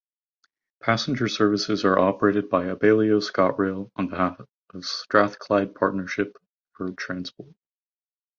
Passenger services are operated by Abellio ScotRail on behalf of Strathclyde Partnership for Transport.